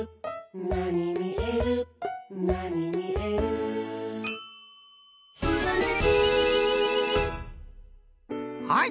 「なにみえるなにみえる」「ひらめき」はい！